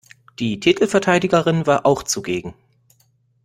Die Titelverteidigerin war auch zugegen.